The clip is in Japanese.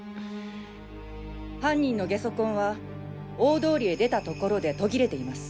犯人の下足痕は大通りへ出た所で途切れています。